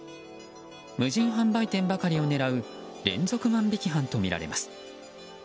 無人販売店ばかりを狙う連続万引き犯とみられています。